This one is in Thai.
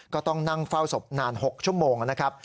ก็ต้องนั่งเฝ้าศพนาน๖ชั่วโมงนะครับ